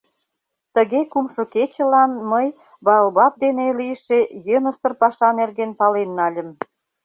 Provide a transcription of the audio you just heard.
Тыге кумшо кечылан мый баобаб дене лийше йӧнысыр паша нерген пален нальым.